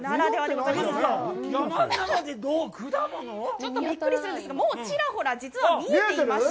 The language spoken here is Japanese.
ちょっとびっくりするんですが、もうちらほら、実は見えていまして。